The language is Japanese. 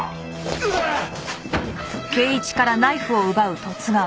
うわっ！